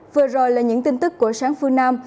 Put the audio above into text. vừa rồi là những tin tức của sáng phương nam